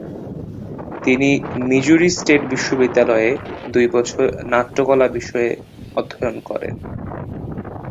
তিনি Missouri state বিশ্ববিদ্যালয়ে দুই বছর নাট্যকলা বিষয়ে অধ্যয়ন করেন।